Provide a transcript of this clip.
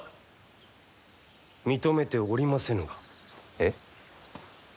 えっ。